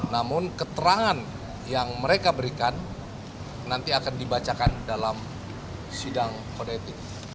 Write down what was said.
namun keterangan yang mereka berikan nanti akan dibacakan dalam sidang kode etik